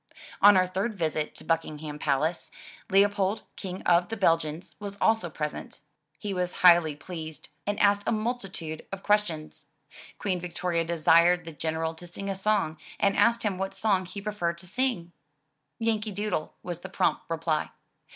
On our third visit to Buckingham Palace, Leopold, King of the Belgians, was also present. He was highly pleased and asked 169 M Y BOOK HOUSE a multitude of questions. Queen Victoria desired the General to sing a song, and asked him what song he preferred to sing. "Yankee Doodle," was the prompt reply.